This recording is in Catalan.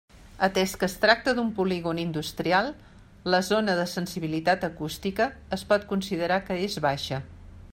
Atès que es tracta d'un polígon industrial, la zona de sensibilitat acústica es pot considerar que és baixa.